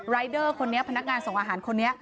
เดอร์คนนี้พนักงานส่งอาหารคนนี้